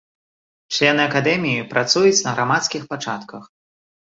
Члены акадэміі працуюць на грамадскіх пачатках.